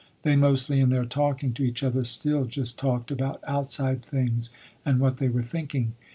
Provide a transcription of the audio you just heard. They, mostly in their talking to each other, still just talked about outside things and what they were thinking.